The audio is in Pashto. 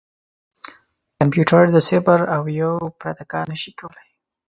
کمپیوټر د صفر او یو پرته کار نه شي کولای.